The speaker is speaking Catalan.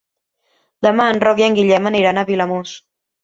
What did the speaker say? Demà en Roc i en Guillem aniran a Vilamòs.